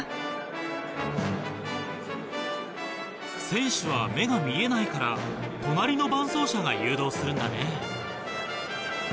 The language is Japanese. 選手は目が見えないから隣の伴走者が誘導するんだね。